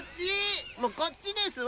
もうこっちですわ！